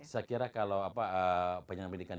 saya kira kalau penyelenggara pendidikan